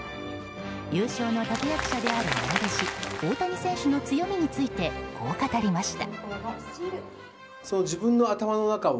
優勝の立役者であるまな弟子・大谷選手の強みについて、こう語りました。